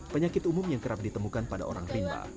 penyakit umum yang kerap ditemukan pada orang rimba